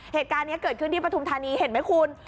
เหตุการณ์นี้เกิดขึ้นที่ปฐุมธานีเห็นไหมคุณ